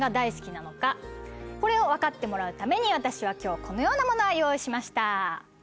これを分かってもらうために私は今日このようなものを用意しました。